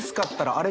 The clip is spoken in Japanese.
あれ？